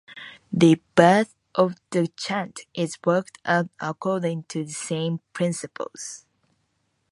The verse of the chant is worked out according to the same principles.